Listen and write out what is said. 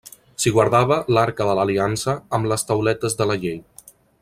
S'hi guardava l'arca de l'aliança amb les tauletes de la Llei.